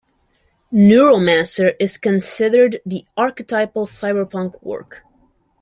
"Neuromancer" is considered "the archetypal cyberpunk work".